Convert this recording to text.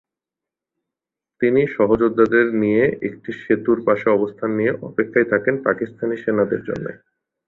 তিনি সহযোদ্ধাদের নিয়ে একটি সেতুর পাশে অবস্থান নিয়ে অপেক্ষায় থাকেন পাকিস্তানি সেনাদের জন্য।